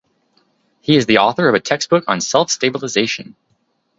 He is the author of a textbook on self-stabilization.